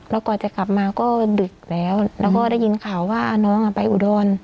แล้วก่อนจะกลับมาก็ดึกแล้วแล้วก็ได้ยินข่าวว่าน้องไปอุดร